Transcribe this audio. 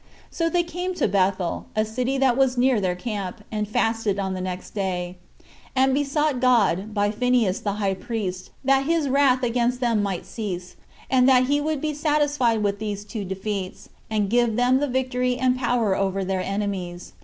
So they came to Bethel, 13 a city that was near their camp, and fasted on the next day; and besought God, by Phineas the high priest, that his wrath against them might cease, and that he would be satisfied with these two defeats, and give them the victory and power over their enemies.